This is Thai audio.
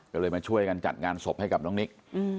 ก็เลยมาช่วยกันจัดงานศพให้กับน้องนิก